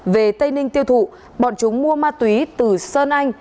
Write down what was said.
về tây ninh tiêu thụ bọn chúng mua ma túy từ sơn anh